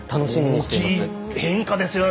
大きい変化ですよね。